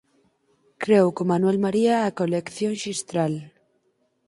Creou con Manuel María a Colección Xistral.